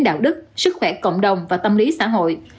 đạo đức sức khỏe cộng đồng và tâm lý xã hội